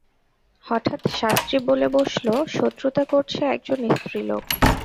হঠাৎ শাস্ত্রী বলে বসল, শত্রুতা করছে একজন স্ত্রীলোক।